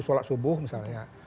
sholat subuh misalnya